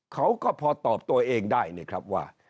เขาก็พอตอบตัวเองได้เลยครับว่า